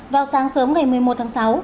vào sáng sớm ngày một mươi một tháng sáu